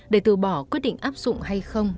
để từ bỏ quyết định áp dụng hay không